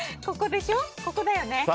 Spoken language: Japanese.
ここだよね。